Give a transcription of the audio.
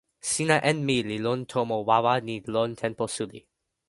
sina en mi li lon tomo wawa ni lon tenpo suli.